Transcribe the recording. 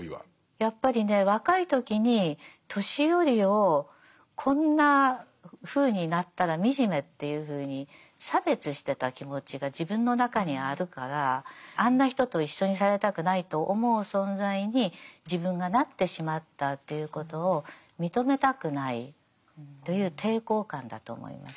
やっぱりね若い時に年寄りをこんなふうになったら惨めっていうふうに差別してた気持ちが自分の中にあるからあんな人と一緒にされたくないと思う存在に自分がなってしまったということを認めたくないという抵抗感だと思います。